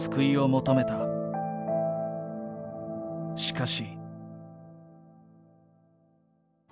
しかし。